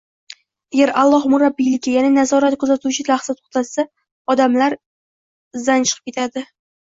Agar Alloh murabbiyligi, ya'ni nazorati, kuzatuvini lahza to‘xtatsa, olamlar izdan chiqib ketadi